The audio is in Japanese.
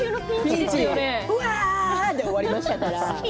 うわあで終わりましたから。